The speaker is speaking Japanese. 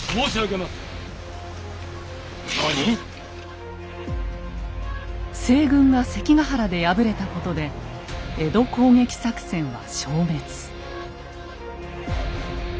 なに⁉西軍が関ヶ原で敗れたことで江戸攻撃作戦は消滅。